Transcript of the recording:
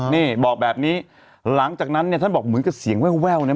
นี่บอกแบบนี้หลังจากนั้นเนี่ยท่านบอกเหมือนกับเสียงแววนะ